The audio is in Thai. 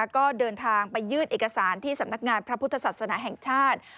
ก็เดินทางไปยื่นเอกสารที่สำนักงานพระพุทธศาสนาแห่งชาติ